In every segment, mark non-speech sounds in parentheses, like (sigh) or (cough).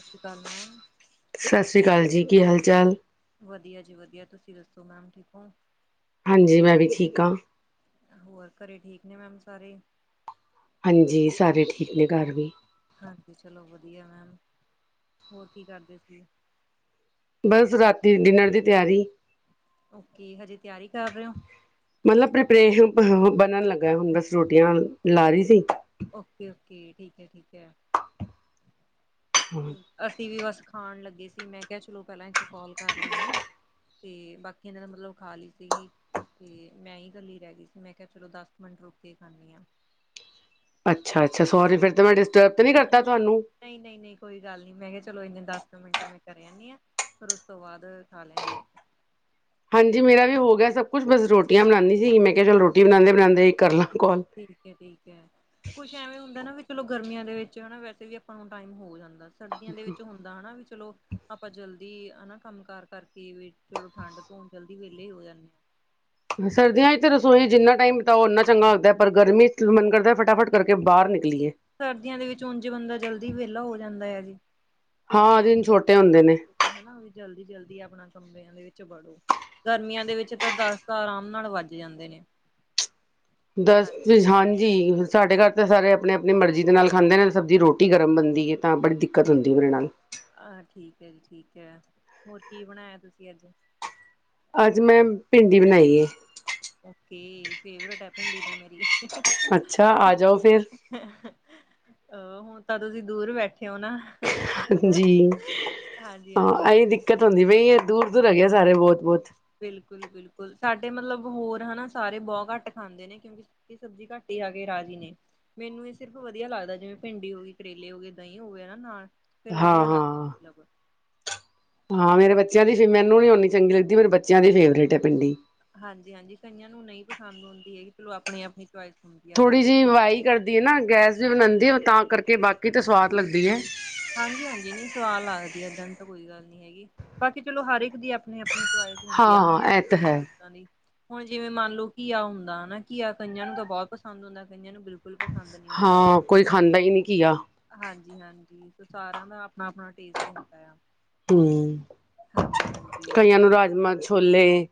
ਸਤਿ ਸ਼੍ਰੀ ਅਕਾਲ, ਮੈਮ। ਸਤਿ ਸ਼੍ਰੀ ਅਕਾਲ ਜੀ, ਕੀ ਹਾਲ-ਚਾਲ? ਵਧੀਆ ਜੀ ਵਧੀਆ, ਤੁਸੀਂ ਦੱਸੋ, ਮੈਮ ਠੀਕ ਓਂ? ਹਾਂਜੀ, ਮੈਂ ਵੀ ਠੀਕ ਆਂ। ਹੋਰ ਘਰੇ ਠੀਕ ਨੇ, ਮੈਮ ਸਾਰੇ? ਹਾਂਜੀ, ਸਾਰੇ ਠੀਕ ਨੇ ਘਰ ਵੀ। ਹਾਂਜੀ ਚਲੋ ਵਧੀਆ ਮੈਮ। ਹੋਰ ਕੀ ਕਰਦੇ ਸੀ? ਬਸ ਰਾਤੀ ਡਿਨਰ ਦੀ ਤਿਆਰੀ। ਓਕੇ, ਹਜੇ ਤਿਆਰੀ ਕਰ ਰਹੇ ਔ। ਮਤਲਬ ਪ੍ਰਿਪੇਸ਼ਨ, ਪੇ੍ਸ਼ਨ ਬਣਨ ਲੱਗਾ, ਹੁਣ ਬਸ ਰੋਟੀਆਂ ਲਾ ਰਹੀ ਸੀ। ਔਕੇ ਔਕੇ, ਠੀਕ ਹੈ ਠੀਕ ਹੈ। ਅਸੀ ਵੀ ਬਸ ਖਾਣ ਲੱਗੇ ਸੀ। ਮੈਂ ਕਿਹਾ, ਚਲੋ ਪੈਲਾਂ ਇੱਕ ਕੋਲ ਕਰ ਲੈਨੇ ਆ। ਤੇ ਬਾਕੀਆਂ ਨੇ ਤਾ ਮਤਲਬ ਖਾ ਲਈ ਸੀਗੀ ਤੇ ਮੈਂ ਹੀ ਕੱਲੀ ਰਹ ਗਈ ਸੀ, ਮੈਂ ਕਿਹਾ, ਚਲੋ ਦਸ ਮਿੰਟ ਰੁਕ ਕੇ ਖਾਨੀ ਆ। ਅੱਛਾ ਅੱਛਾ, ਸੋਰੀ ਫਿਰ ਤਾ ਮੈਂ ਡਿਸਟਰਬ ਤੇ ਨੀ ਕਰਤਾ ਤੁਹਾਨੂੰ। ਨਹੀ-ਨਹੀਂ-ਨਹੀਂ ਕੋਈ ਗੱਲ ਨਹੀ, ਮੈਂ ਕਿਹਾ ਚਲੋ ਇਨੇ ਦਸ ਮਿੰਟ ਮੈਂ ਕਰੇ ਆਨੀ ਆ। ਫਿਰ ਉਸ ਤੋਂ ਬਾਦ ਖਾ ਲੈਂਨੀ ਆ। ਹਾਂਜੀ, ਮੇਰਾ ਵੀ ਹੋ ਗਿਆ ਸਭ ਕੁਛ ਬਸ ਰੋਟੀਆਂ ਬਣਾਦੀ ਸੀ। ਮੈਂ ਕਿਹਾ, ਚਲੋ ਰੋਟੀ ਬਣਾਦੇ ਬਣਾਦੇ ਹੀ ਕਰ ਲਾਂ ਕਾੱਲ। ਠੀਕ ਹੈ, ਠੀਕ ਹੈ। ਕੁਛ ਐਵੇਂ ਹੁੰਦਾ ਨਾ ਵੀ ਚਲੋ ਗਰਮੀਆਂ ਦੇ ਵਿੱਚ ਹੈਨਾ ਵੈਸੇ ਵੀ ਆਪਾਂ ਨੂੰ ਟਾਈਮ ਹੋ ਜਾਂਦਾ ਸਰਦੀਆਂ ਦੇ ਵਿੱਚ ਹੁੰਦਾ ਹੈਨਾ ਵੀ ਚਲੋ ਆਪਾਂ ਜਲਦੀ ਹੈਨਾ ਕੰਮ ਕਾਰ ਕਰਕੇ ਵੀ ਚਲੋ ਠੰਢ ਤੋਂ ਹੁਣ ਜਲਦੀ ਵੇਹਲੇ ਹੋ ਜਾਂਨੇ ਸਰਦੀਆਂ ਵਿੱਚ ਰਸੋਈ ਜਿੰਨਾ ਟਾਈਮ ਬਿਤਾਓ ਉਨਾ ਚੰਗਾ ਹੁੰਦਾ, ਪਰ ਗਰਮੀ ਚ ਮਨ ਕਰਦਾ ਫਟਾਫਟ ਕਰਕੇ ਬਾਹਰ ਨਿਕਲੀਏ। ਸਰਦੀਆਂ ਦੇ ਵਿੱਚ ਉਂਝ ਹੀ ਬੰਦਾ ਜਲਦੀ ਵੇਹਲਾ ਹੋ ਜਾਂਦਾ ਏ ਵੀ ਹਾਂ, ਦਿਨ ਛੋਟੇ ਹੁੰਦੇ ਨੇ। ਏਹ ਨਾ ਵੀ ਜਲਦੀ-ਜਲਦੀ ਅਪਣਾ ਕਮਰਿਆਂ ਦੇ ਵਿੱਚ ਵੜੋ। ਗਰਮੀਆਂ ਦੇ ਵਿੱਚ ਤਾਂ ਦੱਸ ਤਾਂ ਆਰਾਮ ਨਾਲ ਵੱਜ ਜਾਂਦੇ ਨੇ। ਦੱਸ ਹਾਂਜੀ, ਸਾਡੇ ਘਰ ਤਾਂ ਸਾਰੇ ਆਪਣੇ ਆਪਣੀ ਮਰਜ਼ੀ ਦੇ ਨਾਲ ਖਾਂਦੇ ਨੇ ਸਬਜ਼ੀ, ਰੋਟੀ ਗਰਮ ਬਣਦੀ ਏ, ਤਾਂ ਬੜੀ ਦਿੱਕਤ ਹੁੰਦੀ ਹੈ ਮੇਰੇ ਨਾਲ। ਆਹ ਠੀਕ ਏ ਜੀ ਠੀਕ ਏ। ਹੋਰ ਕੀ ਬਣਾਇਆ ਤੁਸੀਂ ਅੱਜ? ਅੱਜ ਮੈਂ, ਭਿੰਡੀ ਬਣਾਈ ਏ। ਔਕੇ, ਫੇਵਰੇਟ ਹੈ ਭਿੰਡੀ ਤਾਂ ਮੇਰੀ। ਅੱਛਾ, ਆ ਜਾਓ ਫਿਰ। ਅਹ ਹੁਣ ਤਾਂ ਤੁਸੀ ਦੂਰ ਬੈਠੇ ੳ ਨਾ। ਜੀ (inaudible) ਹਾਂ ਏਹੀ ਦਿੱਕਤ ਹੁੰਦੀ ਪਈ ਏ, ਦੂਰ-ਦੂਰ ਹੈਗੇ ਸਾਰੇ ਬੋਤ-ਬੋਤ। ਬਿਲਕੁਲ- ਬਿਲਕੁਲ। ਸਾਡੇ ਮਤਲਬ ਹੋਰ ਹ ਨਾ ਸਾਰੇ, ਬੋਤ ਘੱਟ ਖਾਂਦੇ ਨੇ ਕਿਉਂਕਿ ਸੁਕੀ ਸਬਜ਼ੀ ਘੱਟ ਹੀ ਆ ਗੇ ਰਾਜੀ ਨੇ। ਮੈਨੂੰ ਇਹ ਸਿਰਫ ਵਧੀਆ ਲੱਗਦਾ ਜਿਵੇਂ ਭਿੰਡੀ ਹੋ ਗਈ, ਕਰੇਲੇ ਹੋ ਗਏ, ਦਹੀਂ ਹੋ ਗਿਆ ਨਾ ਨਾਲ। ਫੇਰ ਹਾਂ ਵਧੀਆ ਲੱਗਦਾ ਹਾਂ ਮਤਲਬ ਹਾਂ ਮੇਰੇ ਬੱਚਿਆਂ ਦੀ ਫੇਵਰੇਟ ਮੈਨੂੰ ਨੀ ਓਨੀ ਚੰਗੀ ਲੱਗਦੀ, ਮੇਰੇ ਬੱਚਿਆਂ ਦੀ ਫੇਵਰੇਟ ਹੈ। ਭਿੰਡੀ। ਹਾਂਜੀ- ਹਾਂਜੀ ਕਈਆਂ ਨੂੰ ਨਹੀਂ ਪਸੰਦ ਹੁੰਦੀ ਹੈਗੀ, ਚਲੋ ਆਪਣੀ ਆਪਣੀ ਚੁਆਇਸ ਹੈ। ਥੋੜ੍ਹੀ ਜਿਹੀ ਵਾਈ ਕਰਦੀ ਹੈ। ਨਾ ਗੈਸ ਵੀ ਬਣਾਉਂਦੀ ਹੈ। ਤਾਂ ਕਰਕੇ ਬਾਕੀ ਤਾਂ ਸਵਾਦ ਲੱਗਦੀ ਹੈ। ਹਾਂਜੀ-ਹਾਂਜੀ ਨਹੀਂ ਸਵਾਦ ਲੱਗਦੀ ਏਦਾਂ ਦੀ ਤਾਂ ਕੋਈ ਗੱਲ ਨਹੀਂ ਹੈਗੀ। ਬਾਕੀ ਚਲੋ, ਹਰ ਇੱਕ ਦੀ ਆਪਣੀ ਆਪਣੀ। ਚੋਆਇਸ ਹੁੰਦੀ ਆ ਹਾਂ ਇਹ ਚੀਜ਼ ਤਾਂ ਨੂੰ ਹੈ ਕਿੱਦਾਂ ਦੀ, ਹੁਣ ਜਿਵੇਂ ਮੰਨ ਲਓ। ਘੀਆ ਹੁੰਦਾ ਹਨਾ ਨਾ ਘੀਆ ਕਈਆਂ ਨੂੰ ਤਾਂ ਬਹੁਤ ਪਸੰਦ ਹੁੰਦਾ। ਕਈਆਂ ਨੂੰ ਬਿਲਕੁਲ ਨਹੀਂ। ਪਸੰਦ ਹੁੰਦਾ ਹੈਗਾ। ਹਾਂ ਕੋਈ ਖਾਂਦਾ ਹੀ ਨਹੀਂ ਘੀਆ। ਹਾਂਜੀ-ਹਾਂਜੀ ਸ ਸਾਰਿਆਂ ਦਾ ਆਪਣਾ-ਆਪਣਾ ਟੇਸਟ ਹੁੰਦਾ ਆ। ਹੂੰ ਹਾਂਜੀ-ਹਾਂਜੀ। ਕਈਆਂ ਨੂੰ ਰਾਜਮਾਂ, ਛੋਲੇ,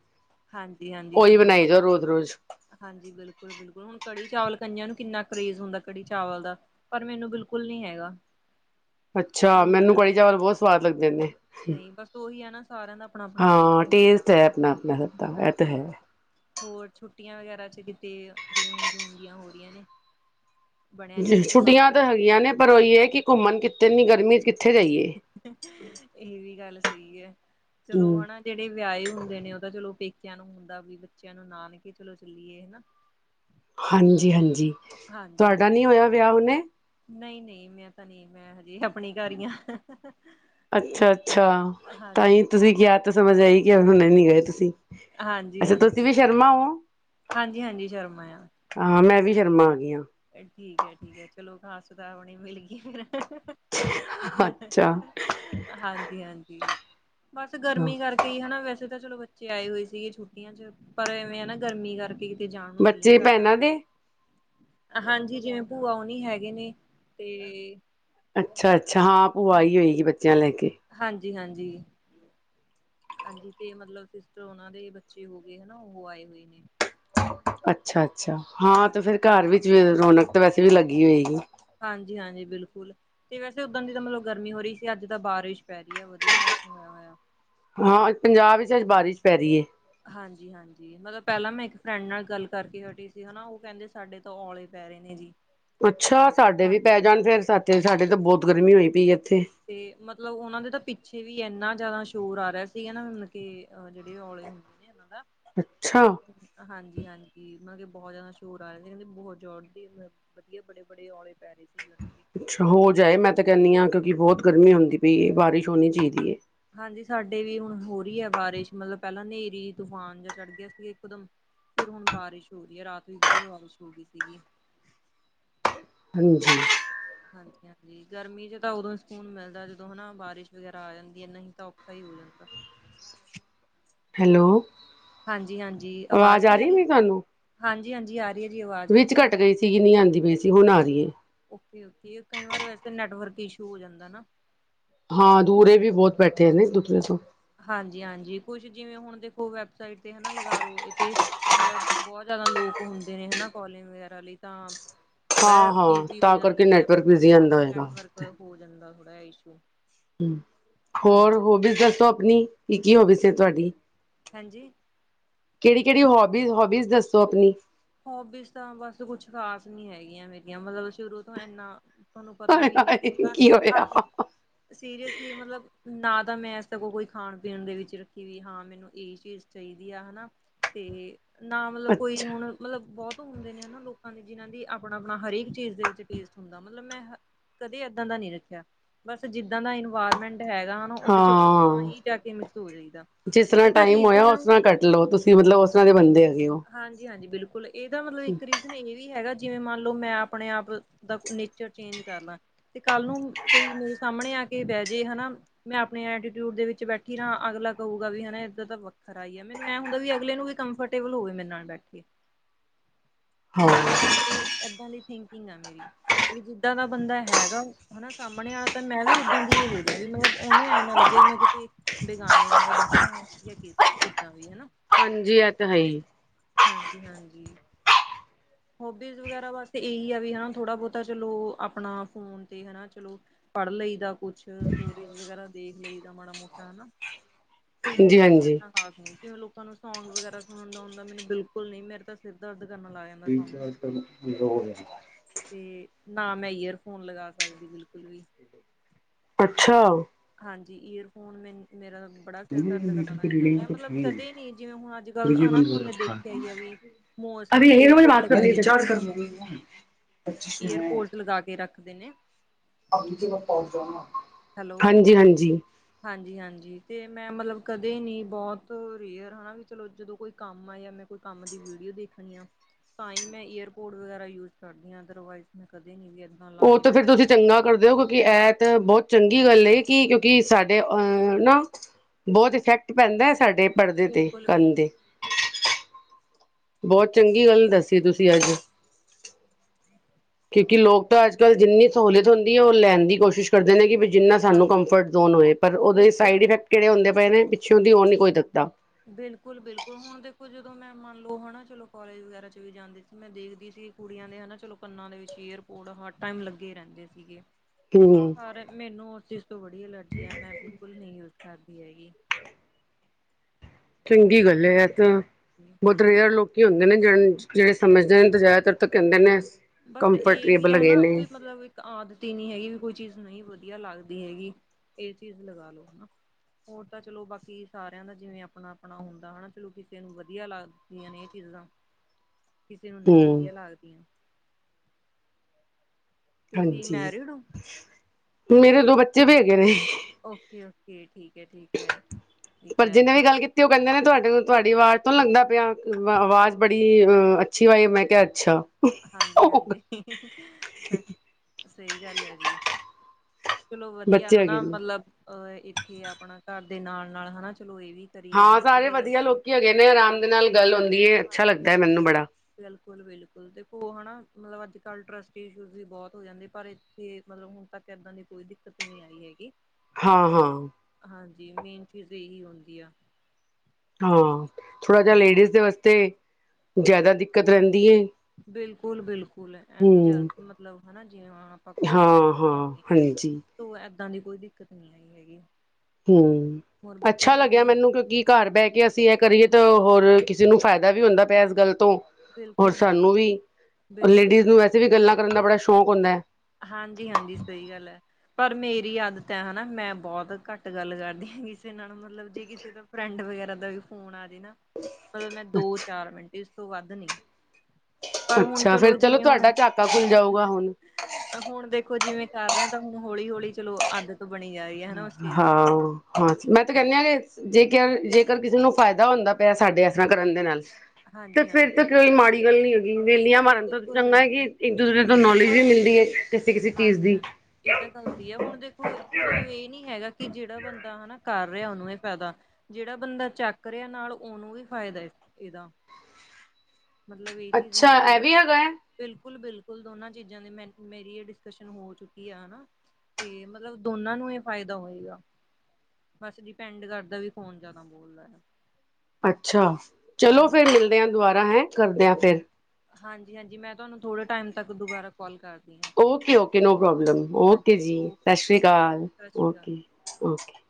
ਹਾਂਜੀ-ਹਾਂਜੀ ਉਹੀ ਸਹੀ ਗੱਲ ਬਣਾਈ ਜਾੳ ਰੋਜ਼-ਰੋਜ਼। ਹਾਂਜੀ ਬਿਲਕੁਲ-ਬਿਲਕੁਲ ਹੁਣ ਕੜੀ, ਚਾਵਲ ਕਈਆਂ ਨੂੰ ਕਿੰਨਾ ਕਰੇਜ਼ ਹੁੰਦਾ ਕੜੀ, ਚਾਵਲ ਦਾ। ਪਰ ਮੈਨੂੰ ਬਿਲਕੁਲ ਨਹੀਂ ਹੈਗਾ। ਅੱਛਾ, ਉਹੀ ਹੈ ਮੈਨੂੰ ਨਾ ਕੜੀ ਚਾਵਲ ਬਹੁਤ ਸਵਾਦ ਲੱਗਦੇ ਨੇ ਨਹੀਂ ਬਸ ਉਹੀ ਹੈ ਨਾ ਸਾਰਿਆਂ ਦਾ ਆਪਣਾ-ਆਪਣਾ ਹਾਂ ਹੁੰਦਾ ਟੇਸਟ ਐ ਆਪਣਾ-ਆਪਣਾ ਸਭ ਦਾ ਐ ਤੇ ਹਾਂਜੀ-ਹਾਂਜੀ। ਹੈ। ਹੋਰ ਛੁੱਟੀਆਂ ਵਗੈਰਾ ਚ ਕਿਤੇ ਜਿਵੇਂ ਹੁਣ ਜੂਨ ਦੀਆਂ ਹੋ ਰਹੀਆਂ ਨੇ। ਬਣਿਆ ਨੀ ਕਿਤੇ ਛੁੱਟੀਆਂ ਬਾਹਰ ਤਾਂ ਹੈਗੀਆਂ ਨੇ ਪਰ ਉਹੀ ਹੈ ਕਿ ਘੁੰਮਣ ਕਿੱਥੇ ਐਨੀ ਗਰਮੀ ਚ ਕਿੱਥੇ ਜਾਈਏ। ਇਹ ਵੀ ਗੱਲ ਸਹੀ ਐ ਚਲੋ ਹਮ ਹਨਾ। ਜਿਹੜੇ ਵਿਆਹੇ ਹੁੰਦੇ ਨੇ ਉਹ ਤਾਂ ਚਲੋ ਪੇਕਿਆਂ ਨੂੰ ਹੁੰਦਾ ਵੀ ਬੱਚਿਆਂ ਨੂੰ ਨਾਨਕੇ ਚਲੋ ਚੱਲੀਏ ਹਨਾ। ਹਾਂਜੀ-ਹਾਂਜੀ ਤੁਹਾਡਾ ਨੀ ਹੋਇਆ ਵਿਆਹ ਹੁਣੇ ਨਹੀਂ-ਨਹੀਂ ਮੈਂ ਤਾਂ ਨਹੀਂ ਮੈਂ ਹਜੇ ਆਪਣੇ ਘਰ ਹੀ ਆ। ਅੱਛਾ-ਅੱਛਾ ਤਾਂਹੀ ਹਾਂ ਤੁਸੀਂ ਕਿਹਾ ਤਾਂ ਸਮਝ ਆਈ ਕਿ ਹੁਣੇ ਨੀ ਗਏ ਤੁਸੀਂ। ਅੱਛਾ, ਤੁਸੀਂ ਵੀ ਸ਼ਰਮਾ ਹੋ। ਹਾਂਜੀ-ਹਾਂਜੀ ਸ਼ਰਮਾ ਏ ਆ। ਹਾਂ ਮੈਂ ਵੀ ਸ਼ਰਮਾ ਹੈਗੀ ਆ ਠੀਕ ਐ, ਠੀਕ ਐ, ਚਲੋ ਕਾਸਟ ਤਾਂ ਹੁਣੀ ਮਿਲ ਗਈ ਫੇਰ ਅੱਛਾ ਹਾਂਜੀ-ਹਾਂਜੀ ਬਸ ਗਰਮੀ ਕਰਕੇ ਕਈ ਹਨਾ ਵੈਸੇ ਤਾਂ ਚਲੋ ਬੱਚੇ ਆਏ ਹੋਏ ਸੀਗੇ ਛੁੱਟੀਆਂ ਚ ਪਰ ਇਵੇਂ ਆ ਨਾ ਗਰਮੀ ਕਰਕੇ। ਕਿਤੇ ਜਾਣ ਨੂੰ ਦਿਲ ਨਹੀਂ ਬੱਚੇ ਕਰਦਾ। ਭੈਣਾਂ ਦੇ ਹਾਂਜੀ ਜਿਵੇਂ ਭੂਆ ਹੋਣੀ ਹੈਗੇ ਨੇ ਤੇ ਅੱਛਾ-ਅੱਛਾ ਹਾਂ ਭੂਆ ਆਈ ਹਾਂਜੀ ਹੋਏਗੀ ਬੱਚਿਆਂ ਨੂੰ ਲੈ ਕੇ। ਹਾਂਜੀ- ਹਾਂਜੀ। ਹਾਂਜੀ ਤੇ ਮਤਲਬ ਸਿਸਟਰ ਉਹਨਾਂ ਦੇ ਬੱਚੇ ਹੋ ਗਏ ਹਨਾ ਉਹ ਆਏ ਹੋਏ ਨੇ। ਅੱਛਾ-ਅੱਛਾ ਹਾਂ ਤੇ ਫੇਰ ਘਰ ਵਿੱਚ ਵੀ ਰੌਣਕ ਤਾਂ ਵੈਸੇ ਵੀ ਲੱਗੀ ਹੋਏਗੀ। ਹਾਂਜੀ- ਹਾਂਜੀ ਬਿਲਕੁਲ। ਤੇ ਵੈਸੇ ਉੱਦਣ ਦੀ ਤਾਂ ਮਤਲਬ ਗਰਮੀ ਹੋ ਰਹੀ ਸੀ ਅੱਜ ਤਾਂ ਬਾਰਿਸ਼ ਪੈ ਰਹੀ ਆ ਵਧੀਆ ਮੌਸਮ ਹੋਇਆ ਹੋਇਆ। ਹਾਂ ਅੱਜ ਪੰਜਾਬ ਵਿੱਚ ਅੱਜ ਬਾਰਿਸ਼ ਪੈ ਰਹੀ ਐ। ਹਾਂਜੀ-ਹਾਂਜੀ ਮਤਲਬ ਪਹਿਲਾਂ ਮੈਂ ਇੱਕ ਫਰੈਂਡ ਨਾਲ ਗੱਲ ਕਰਕੇ ਹਟੀ ਸੀ ਹਨਾ ਉਹ ਕਹਿੰਦੇ ਸਾਡੇ ਔਲੇ ਪੈ ਰਹੇ ਨੇ ਜੀ। ਅੱਛਾ ਸਾਡੇ ਹਾਂ ਵੀ ਪੈ ਜਾਣ ਫੇਰ ਸਾ ਸਾਡੇ ਤਾਂ ਬਹੁਤ ਗਰਮੀ ਹੋਈ ਪਈ ਐਥੇ ਤੇ ਮਤਲਬ ਉਹਨਾ ਦੇ ਤਾਂ ਪਿੱਛੇ ਵੀ ਇਨਾ ਜਿਆਦਾ ਸ਼ੋਰ ਆ ਰਿਹਾ ਸੀਗਾ ਨਾ ਮਤਲਬ ਕੇ ਜਿਹੜੇ ਔਲੇ ਹੁੰਦੇ ਉਨਾ ਦਾ ਅੱਛਾ। ਹਾਂਜੀ-ਹਾਂਜੀ ਮਤਲਬ ਕਿ ਬਹੁਤ ਜ਼ਿਆਦਾ ਸ਼ੋਰ ਆ ਰਿਹਾ ਸੀ ਕਹਿੰਦੇ ਬਹੁਤ ਜੋਰਦੀ ਵਧੀਆ ਬੜੇ-ਬੜੇ ਔਲੇ ਪੈ ਰਹੇ ਸੀਗੇ ਉਹਨਾਂ ਦੇ ਅੱਛਾ ਹੋ ਜਾਏ ਮੈਂ ਤਾਂ ਕਹਿਣੀ ਆ ਕਿਉਂਕਿ ਬਹੁਤ ਗਰਮੀ ਹੁੰਦੀ ਪਈ ਐ ਬਾਰਿਸ਼ ਹੋਣੀ ਚਾਹੀਦੀ ਏ ਹਾਂਜੀ, ਸਾਡੇ ਵੀ ਹੁਣ ਹੋ ਰਹੀ ਹੈ ਬਾਰਿਸ਼ ਮਤਲਬ ਪਹਿਲਾਂ ਨੇਰੀ, ਤੂਫਾਨ ਜਾਂ ਚੜ੍ਹ ਗਿਆ ਸੀ ਇਕਦਮ ਫੇਰ ਹੁਣ ਬਾਰਿਸ਼ ਹੋ ਰਹੀ ਐ ਰਾਤ ਵੀ ਵਧੀਆ ਬਾਰਿਸ਼ ਹੋ ਗਈ ਸੀਗੀ। ਹਾਂਜੀ। ਹਾਂਜੀ, ਹਾਂ ਜੀ ਗਰਮੀ ਚ ਤਾਂ ਉਦੋਂ ਹੀ ਸਕੂਨ ਮਿਲਦਾ ਜਦੋਂ ਹਨਾ ਬਾਰਿਸ਼ ਵਗੈਰਾ ਆ ਜਾਂਦੀ ਐ ਨਹੀਂ ਤਾਂ ਔਖਾ ਹੀ ਹੋ ਜਾਂਦਾ। ਹੈਲੋ ਹਾਂਜੀ, ਹਾਂਜੀ ਆਵਾਜ਼ ਨਹੀਂ ਆ ਰਹੀ ਹਾਂਜੀ, ਹਾਂਜੀ ਆਰੀ ਵਿੱਚ ਘੱਟ ਗਈ ਸੀਗੀ ਨਈ ਆਂਦੀ ਪਈ ਸੀ ਹੁਣ ਆ ਰਹੀ ਏ ਓਕੇ ਓਕੇ ਕਈ ਵਾਰ ਵੈਸੇ ਨੈਟਵਰਕ ਇਸ਼ੂ ਹੋ ਜਾਂਦਾ ਨਾ ਹਾਂ ਦੂਰੇ ਵੀ ਬਹੁਤ ਬੈਠੇ ਆ ਨੇ ਇਕ-ਦੂਸਰੇ ਤੋਂ ਹਾਂਜੀ ਹਾਂਜੀ ਕੁਛ ਜਿਵੇਂ ਹੁਣ ਦੇਖੋ ਵੈਬਸਾਈਟ ਤੇ ਹਨਾ ਲਗਾ ਲੋ ਇਹ ਤੇ ਮਤਲਬ ਬੋਤ ਜਾਦਾ ਲੋਕ ਹੁੰਦੇ ਨੇ ਹੈਨਾ ਕੋਲਿੰਗ ਵਗੈਰਾ ਲਈ ਤਾਂ ਥੋੜ੍ਹਾ ਜੇਆ ਹਾਂ-ਹਾਂ ਬਿਜ਼ੀ ਹੋ ਤਾਂ ਜਾਂਦੀ ਕਰਕੇ ਐ ਐਪ ਨੈਟਵਰਕ ਹੈਨਾ ਬਿਜ਼ੀ ਆਂਦਾ ਹੋਏਗਾ। ਨੈਟਵਰਕ ਹੋ ਜਾਂਦਾ ਥੋੜ੍ਹਾ ਯਾ ਇਸ਼ੂ ਹੋਰ ਹਾਂਜੀ ਹੋਬੀਜ਼ ਦੱਸੋ ਅਪਣੀ ਕੀ-ਕੀ ਹੋਬੀਜ਼ ਐ ਤੁਆਡੀ? ਹਾਂਜੀ ਕੇੜੀ-ਕੇੜੀ ਹੋਬੀ ਹੋਬੀਜ਼ ਦੱਸੋ ਅਪਣੀ ਹੋਬੀਜ਼ ਤਾਂ ਬਸ ਕੁਛ ਖ਼ਾਸ ਨੀ ਹੈਗੀਆਂ ਮੇਰੀਆਂ ਮਤਲਬ ਸ਼ੁਰੂ ਤੋਂ ਏਨਾ ਤੁਆਨੂੰ ਪਤਾ ਹਾਏ ਵੀ ਨੀ ਹਾਏ ਬਸ ਕੀ ਹੋਇਆ ਅੱਜ ਸੀਰੀਅਸਲੀ ਮਤਲਬ ਨਾ ਤਾਂ ਮੈਂ ਸਗੋਂ ਕੋਈ ਖਾਣ-ਪੀਣ ਦੇ ਵਿੱਚ ਰੂਚੀ ਵੀ ਹਾਂ ਮੈਨੂੰ ਏ ਚੀਜ਼ ਚਾਇਦੀ ਆ ਹੈਨਾ। ਤੇ ਨਾ ਮਤਲਬ ਕੋਈ ਅੱਛਾ ਹੁਣ ਮਤਲਬ ਬੋਹਤ ਹੁੰਦੇ ਨੇ ਨਾ ਲੋਕਾਂ ਦੀ ਜਿਨਾਂ ਦੀ ਆਪਣਾ-ਆਪਣਾ ਹਰ ਏਕ ਚੀਜ਼ ਦੇ ਵਿੱਚ ਟੇਸਟ ਹੁੰਦਾ ਮ ਮਤਲਬ ਮੈਂ ਕਦੇ ਏਦਾਂ ਦਾ ਨੀ ਰੱਖਿਆ ਬਸ ਜਿੱਦਾਂ ਦਾ ਇਨਵਾਰਮੈਂਟ ਹੈਗਾ ਓਦੇ ਚੋ ਓ ਹਾਂ ਹੀਂ ਜਾ ਕੇ ਮਿਕਸ ਹੋ ਜਇਦਾ। ਜਿਸ ਤਰ੍ਹਾਂ ਟਾਈਮ ਹੋਯਾ ਓਸ ਤਰ੍ਹਾਂ ਕੱਡ ਲੋ ਤੁਸੀਂ ਮਤਲਬ ਓ ਤਰ੍ਹਾਂ ਹਾਂ ਦੇ ਬੰਦੇ ਹੈਗੇ ਓ। ਹਾਂਜੀ-ਹਾਂਜੀ ਬਿਲਕੁਲ ਏਦਾ ਮਤਲਬ ਇੱਕ ਰੀਜ਼ਨ ਏ ਵੀ ਹੈਗਾ ਜਿਵੇਂ ਮੰਨ ਲੋ ਮੈਂ ਅਪਣੇ ਆਪ ਦਾ ਨੇਚਰ ਚੇਂਜ ਕਰ ਲਾ ਤੇ ਕੱਲ ਨੂੰ ਕੋਈ ਮੇਰੇ ਸਾਮਣੇ ਆ ਕੇ ਬੈ ਜੇ ਹੈਨਾ ਮੈਂ ਆਪਣੇ ਐਟੀਟਿਊਡ ਦੇ ਵਿੱਚ ਬੈਠੀ ਰਾਂ ਅਗਲਾ ਕਉਗਾ ਵੀ ਹੈਨਾ ਏਦਾ ਦਾ ਤਾਂ ਵੱਖਰਾ ਹੀ ਐ, ਮੈਨੂੰ ਏ ਹੁੰਦਾ ਵੀ ਅਗਲੇ ਨੂੰ ਵੀ ਕੰਫਰਟ ਟੇਬਲ ਹੋਵੇ ਮੇਰੇ ਨਾਲ ਬੈਠ ਕੇ। ਹਾਂ। ਤੇ ਏਦਾਂ ਦੀ ਥਿੰਕਿੰਗ ਆ ਮੇਰੀ। ਵੀ ਜਿੱਦਾਂ ਦਾ ਬੰਦਾ ਹੈਗਾ ਹਨਾ ਸਾਮਣੇ ਆਲਾ ਤਾਂ ਮੈਂ ਵੀ ਓਦਾਂ ਦੀ ਈ ਹੋ ਜਾ ਵੀ ਮਤਲਬ ਓਨੂੰ ਐ ਨਾ ਲੱਗੇ ਵੀ ਮੈਂ ਕਿਸੀ ਬੇਗਾਨੇ ਨਾਲ ਬੈਠਾ ਜਾਂ ਕਿੱਦਾਂ ਵੀ ਹੈਨਾ ਹਾਂਜੀ ਐ ਤਾਂ ਹੈ ਈ। ਹਾਂਜੀ-ਹਾਂਜੀ। ਹੋਬੀਜ਼ ਵਗੈਰਾ ਵਾਸਤੇ ਏਹੀ ਆ ਵੀ ਹੈ ਥੋੜਾ-ਬੋਤਾ ਚਲੋ ਆਪਣਾ ਫੋਨ ਤੇ ਹੈਨਾ ਚਲੋ ਪੜ੍ਹ ਲਈ ਦਾ ਕੁੱਛ ਸਟੋਰੀਜ਼ ਵਗੈਰਾ ਦੇਖ ਲਈ ਦਾ ਮਾੜਾ- ਮੋਟਾ ਹੈਨਾ ਤੇ ਹਾਂਜੀ ਹੋਰ ਕੁਛ ਹਾਂਜੀ ਏਦਾ ਖਾਸ ਨੀ ਜਿਵੇਂ ਲੋਕਾਂ ਨੂੰ ਸੌਗ ਵਗੈਰਾ ਸੁਣਨ ਦਾ ਹੁੰਦਾ ਮੈਨੂੰ ਬਿਲਕੁਲ ਨੀ ਮੇਰੇ ਤਾਂ ਸਿਰ ਦਰਦ ਕਰਨ ਲੱਗ ਜਾਂਦਾ ਸੋਂਗ‌। ਤੇ ਨਾ ਮੈਂ ਈਅਰਫੋਨ ਲਗਾ ਸਕਦੀ ਬਿਲਕੁਲ ਵੀ ਅੱਛਾ! ਹਾਂਜੀ ਈਅਰਫੋਨ ਮੇਨ ਮੇਰਾ ਬੜਾ ਸਿਰ ਦਰਦ ਕਰਨ ਲੱਗ ਜਾਂਦਾ ਮੈਂ ਮਤਲਬ ਕਦੇ ਨੀ ਜਿਵੇਂ ਹੁਣ ਅੱਜ-ਕੱਲ੍ਹ ਹੈਨਾ‌ ਕੋਨੇ ਦੇਖਿਆ ਈ ਆ ਵੀ ਮੋਸਟਲੀ ਅਭੀ ਇਹੀ ਮੁਝੇ ਏਅਰਪੋਰਟ ਬਾਤ ਲਗਾਏ ਕਰਨੀ ਹੁੰਦੇ। ਹੈ। ਈਅਰਪੋਰਟਸ ਲਗਾ ਕੇ ਰੱਖਦੇ ਨੇ। ਅਰਲੀ ਮੈਂ ਪੋੰਚ ਜਾਵਾਂ। ਹੈਲੋ ਹਾਂਜੀ-ਹਾਂਜੀ ਤੇ ਮੈਂ ਮਤਲਬ ਕਦੇ ਨੀ ਬੋਹਤ ਰੇਅਰ ਹਾਂ ਚਲੋ ਜਦੋਂ ਕੋਈ ਕੰਮ ਆ ਜਾਂ ਕੋਈ ਕੰਮ ਦੀ ਵੀਡੀਓ ਦੇਖਣੀ ਆ। ਤਾਂ ਈ ਮੈਂ ਏਅਰਪੋਰਟ ਵਗੈਰਾ ਯੂਜ ਕਰਦੀ ਆਂ ਅਦਰਵਾਈਜ਼ ਮੈਂ ਕਦੀ ਨੀ ਵੀ ਲਾ ਓ ਕੇ ਤੇ ਬੈਠ ਫ਼ਿਰ ਤੁਸੀਂ ਚੰਗਾ ਕਰਦੇ ਓ ਕਿਉਂਕਿ ਐ ਤ ਬੋਤ ਚੰਗੀ ਗੱਲ ਏ ਕਿ ਕਿਉਂਕਿ ਸਾਡੇ ਅਹ ਨਾ ਬੋਤ ਇਫੈਕਟ ਪੈਂਦਾ ਸਾਡੇ ਪਰਦੇ ਤੇ ਕੰਨ ਬਿਲਕੁਲ-ਬਿਲਕੁਲ। ਦੇ ਬੋਹਤ ਚੰਗੀ ਗੱਲ ਦੱਸੀ ਤੁਸੀਂ ਅੱਜ। ਕਿਉਂਕਿ ਲੋਕ ਤਾਂ ਅੱਜ-ਕੱਲ੍ਹ ਜਿੰਨੀ ਸਹੂਲੀਅਤ ਹੁੰਦੀ ਏ ਓ ਲੈਣ ਦੀ ਕੋਸ਼ਿਸ਼ ਕਰਦੇ ਨੇ ਕਿ ਵੀ ਜਿੰਨਾ ਹਾਂ ਸਾਨੂੰ ਕੰਫਰਟ ਜ਼ੋਨ ਹੋਜੇ ਪਰ ਓਦੇ ਸਾਈਡ ਇਫੈਕਟ ਬਿਲਕੁਲ-ਬਿਲਕੁਲ। ਕੇੜੇ ਹੁੰਦੇ ਪਏ ਨੇਂ ਪਿੱਛੋਂ ਦੀ ਓ ਨੀਂ ਕੋਈ ਦੱਸਦਾ। ਬਿਲਕੁੱਲ ਬਿਲਕੁੱਲ ਹੁਣ ਦੇਖੋਂ ਜਦੋਂ ਮੈਂ ਮੰਨ ਲਓ ਹਨਾ ਚਲੋਂ ਕਾਲਜ਼ ਵਗ਼ੈਰਾ ਚਲੀ ਜਾਂਦੀ ਮੈਂ ਦੇਖਦੀ ਸੀ ਕੁੜੀਆਂ ਦੇ ਹਨਾ। ਚਲੋਂ ਕੰਨਾਂ ਦੇ ਵਿੱਚ ਏਅਰਪੋਰਟ ਹਰ ਟਾਈਮ ਲੱਗੇਂ ਰਹਿੰਦੇਂ ਸੀਗੇ ਹਮਮ ਪਰ ਮੈਂਨੂੰ ਉਸ ਚੀਜ਼ ਤੋਂ ਬੜੀ ਅਲਰਜੀ ਐ। ਮੈਂ ਬਿਲਕੁੱਲ ਨੀ ਯੂਜ ਕਰਦੀ ਹੈਗੀ। ਚੰਗੀ ਗੱਲ਼ ਐ ਤਾਂ। (inaudible) ਓਤਰਾ ਜਿਹੜੇ ਲੋਕੀ ਹੁੰਦੇ ਨੇ ਜਿਹੜੇ ਜਿਹੜੇ ਸਮਝਦੇ ਨੇ। ਜ਼ਿਆਦਾਤਰ ਕਹਿੰਦੇ ਨੇ ਬਸ ਇਹ ਵੀ ਕੰਫਰਟੇਬਲ ਐ ਹੈਗੇ ਨਾ ਨੇ ਵੀ ਮੱਤਲਬ ਕਿ ਆਦਤ ਹੀ ਨੀ ਹੈਗੀ ਵੀ ਕੋਈ ਚੀਜ਼ ਨਹੀਂ ਵਧੀਆਂ ਲੱਗਦੀ ਹੈਗੀ। ਇਹ ਚੀਜ਼ ਲਗਾ ਲੋ ਹਨਾ ਹੋਰ ਤਾਂ ਚਲੋ ਬਾਕੀ ਸਾਰਿਆਂ ਦਾ ਜਿਵੇਂ ਆਪਣਾ ਆਪਣਾ ਹੁੰਦਾਂ ਹਨਾ। ਚਲੋ ਕਿਸੇ ਨੂੰ ਵਧੀਆਂ ਲੱਗਦਾ। ਦੀਆਂ ਨੇ ਇਹ ਚੀਜ਼ਾਂ ਕਿਸੇ ਨੂੰ ਨਹੀਂ ਹਮ ਵਧੀਆਂ ਲੱਗਦੀਆਂ। ਤੁਸੀਂ ਹਾਂਜੀ। ਮੈਰਿਡ ਹੋ? ਮੇਰੇ ਦੋ ਬੱਚੇ ਵੀ ਹੈਗੇ ਨੇ। ਓਕੇ ਓਕੇ ਠੀਕ ਹੈ, ਠੀਕ ਹੈ। ਠੀਕ ਹੈ ਫੇਰ ਤੇ ਉਹ ਕਹਿੰਦੇ ਨੇ ਤੁਹਾਡੇ ਤੁਹਾਡੀ ਆਵਾਜ਼ ਤੋਂ ਲੱਗਦਾ ਪਿਆ। ਆਵਾਜ਼ ਬੜੀ ਅ ਅੱਛੀ ਵਾਈ। ਮੈਂ ਕਿਹਾ ਅੱਛਾ ਹਾਂਜੀ, ਹਾਂਜੀ ਸਹੀ ਗੱਲ਼ ਹੈ ਜੀ। ਚਲੋ ਵਧੀਆਂ ਬੱਚੇ ਹੈਗੇ ਹਨਾ ਨੇ। ਮੱਤਲਬ ਅਹ ਇੱਥੇ ਆਪਣਾ ਘਰ ਦੇ ਨਾਲ- ਨਾਲ ਹਨਾ ਚਲੋ ਇਹ ਵੀ। ਕਰੀ ਹਾਂ ਜਾਣਾ ਇਹ ਸਾਰੇ ਵੀ ਗੱਲ ਵਧੀਆਂ ਸਹੀ। ਲੋਕੀਂ ਹੈਗੇ ਨੇ। ਅਰਾਮ ਦੇ ਨਾਲ਼ ਗੱਲ਼ ਹੁੰਦੀ ਏ ਅੱਛਾ ਲੱਗਦਾ ਹੈ ਮੈਂਨੂੰ ਬੜਾ। ਬਿਲਕੁਲ ਬਿਲਕੁਲ। ਬਿਲਕੁਲ ਦੇਖੋ ਹਨਾ ਮੱਤਲਬ ਅੱਜ- ਕੱਲ ਟਰੱਸਟ ਇਸ਼ੂਜ ਵੀ ਬਹੁਤ ਹੋ ਜਾਂਦੇ। ਪਰ ਇੱਥੇਂ ਮੱਤਲਬ ਹੁਣ ਤੱਕ ਇੱਦਾਂ ਦੀ ਕੋਈ ਦਿਕ ਦਿੱਕਤ ਨਿ ਆਈ ਹੈਗੀ। ਹਾਂ, ਹਾਂ। ਹਾਂਜੀ ਮੇਨ ਚੀਜ਼ ਇਹੀ ਹੁੰਦੀ ਆ। ਹਾਂ। ਥੋੜਾ ਜਿਹਾ ਹਾਂ ਲੇਡੀਜ਼ ਦੇ ਵਾਸਤੇ ਜ਼ਿਆਦਾ ਦਿੱਕਤ ਰਹਿੰਦੀ ਏ। ਬਿਲਕੁਲ ਬਿਲਕੁਲ ਇਨੀ ਜਲ ਹੂੰ ਮੱਤਲਬ ਹਨਾ ਜਿਵੇਂ ਹੁਣ ਆਪਾਂ ਹਾਂ, ਹਾਂ ਹਾਂਜੀ। ਤੋਂ ਐਦਾਂ ਦੀ ਕੋਈ ਦਿੱਕਤ ਨੀ ਆਈ ਹੈਗੀ। ਹਮ। ਹੋਰ ਬੱਚੇ ਅੱਛਾ ਤੁਹਾਡੇ ਲੱਗਿਆ ਮੈਂਨੂੰ ਕਿਉਂਕਿ। ਘਰ ਬਹਿ ਕੇ ਅਸੀਂ ਇਹ ਕਰੀਏ। ਤਾਂ ਹੋਰ ਕਿਸੇ ਨੂੰ ਫ਼ਾਇਦਾ ਵੀ ਹੁੰਦਾਂ ਪਿਆ ਇਸ ਗੱਲ ਤੋਂ। ਹੋਰ ਸਾਨੂੰ ਬਿਲਕੁਲ-ਬਿਲਕੁਲ ਵੀ। ਬਿਲਕੁਲ ਲੇਡੀਜ਼ ਨੂੰ ਵੈਸੇ ਵੀ ਗੱਲਾਂ ਕਰਨ ਦਾ ਬੜਾ ਸ਼ੌਂਕ ਹੁੰਦਾਂ ਐ। ਹਾਂਜੀ, ਹਾਂਜੀ ਸਹੀ ਗੱਲ ਹੈ। ਪਰ ਮੇਰੀ ਆਦਤ ਹੈ ਹਨਾ। ਮੈਂ ਬਹੁਤ ਘੱਟ ਗੱਲ ਕਰਦੀ। ਕਿਸੇ ਨਾਲ ਮੱਤਲਬ ਜੇ ਕਿਸੇ ਦਾ ਫਰੈਂਡ ਵਗੈਰਾ ਦਾ ਵੀ ਫੋਨ ਆਜੇ ਨਾ। ਪਰ ਮੈਂ ਦੋ ਚਾਰ ਮਿੰਟ। ਇਸ ਤੋਂ ਵੱਧ ਨੀ। ਪਰ ਹੁਣ ਅੱਛਾ ਫੇਰ ਚਲੋ ਜਿਵੇਂ ਹੁਣ। ਤੁਹਾਡਾ ਝਾਕਾ ਖੁੱਲ (inaudible) ਹੁਣ ਦੇਖੋ ਜਿਵੇਂ ਕਰ ਰਹੇ। ਤਾਂ ਹੁਣ ਹੋਲੀ ਹੋਲੀ ਚਲੋ ਆਦਤ ਬਣੀ ਆ ਰਹੀ ਹੈਂ ਹਨਾ ਉਸ ਚੀਜ਼ ਹਾਂ ਦੀ। ਹਾਂ ਮੈਂ ਤੇ ਕਹਿੰਦੀ ਹਾਂ ਕਿ ਜੇਕਰ ਜੇਕਰ ਕਿਸੇ ਨੂੰ ਫਾਇਦਾ ਹੁੰਦਾਂ ਪਿਆ। ਸਾਡੇ ਇਸ ਤਰ੍ਹਾਂ ਕਰਨ ਦੇ ਨਾਲ। ਤੇ ਹਾਂਜੀ ਫੇਰ ਤੋਂ ਹਾਂਜੀ ਕੋਈ ਮਾੜੀ ਗੱਲ ਨੀ ਹੈਗੀ। ਵੇਲੀਆਂ ਮਾਰਨ ਤੋਂ ਬਿਲਕੁਲ ਚੰਗਾ ਹੈ‌ ਕਿ ਬਿਲਕੁਲ ਇੱਕ ਦੂਸਰੇ ਤੋਂ ਨੌਲੇਜ ਵੀ ਮਿਲ਼ਦੀ ਐ। ਕਿਸੇ ਕਿਸੀ ਚੀਜ਼ ਹਾਂਜੀ ਹਾਂ ਦੀ। ਇਹ ਤਾਂ ਗੱਲ ਸਹੀ ਹੈ ਹੁਣ ਦੇਖੋ ਮੱਤਲਬ ਇਹ ਨੀ ਹੈਗਾ। ਕਿ ਜਿਹੜਾ ਬੰਦਾ ਹਨਾ ਕਰ ਰਿਹਾ ਉਹਨੂੰ ਵੀ ਫ਼ਾਇਦਾ। ਜਿਹੜਾ ਬੰਦਾ ਚੱਕ ਰਿਹਾ ਨਾਲ ਉਹਨੂੰ ਵੀ ਫ਼ਾਇਦਾ ਇਸ ਇਹਦਾ। ਮਤਲਬ ਇਹ ਚੀਜ਼ ਅੱਛਾ ਨਹੀਂ ਹੈਗੀ ਐਵੀ ਹੈਗਾ ਬਿਲਕੁਲ ਬਿਲਕੁਲ ਦੋਨਾਂ ਚੀਜ਼ਾਂ ਦੀ ਮ ਮੇਰੀ ਇਹ ਡਿਸਕਸਨ ਹੋ ਚੁੱਕੀ ਆ ਹਨਾ। ਫੇਰ ਮੱਤਲਬ ਦੋਨਾਂ ਨੂੰ ਹੀ ਫ਼ਾਇਦਾ ਹੋਏਗਾ। ਬਸ ਡਿਪੈਂਡ ਕਰਦਾ ਵੀ ਕੋਣ ਜ਼ਿਆਦਾ ਬੋਲਦਾ ਆ। ਅੱਛਾ, ਚਲੋਂ ਫ਼ਿਰ ਮਿਲ਼ਦੇ ਹਾਂ ਦੁਬਾਰਾ ਹੈ ਕਰਦੇਂ ਆਂ ਫ਼ਿਰ, ਹਾਂਜੀ, ਹਾਂਜੀ ਮੈਂ ਤੁਹਾਂਨੂੰ ਥੋੜੇ ਟਾਈਮ ਤੱਕ ਦੁਬਾਰਾ। ਕੋਲ ਕਰਦੀ ਹਾਂ। ਠੀਕ ਹੈ। ਓਕੇ, ਓਕੇ ਨੋ ਪ੍ਰੋਬਲਮ, ਹਾਂਜੀ ਓਕੇ ਜੀ ਸਤਿ ਓਕੇ ਸ਼੍ਰੀ ਓਕੇ ਅਕਾਲ, ਸਤਿ ਸ਼੍ਰੀ ਅਕਾਲ। Okay okay,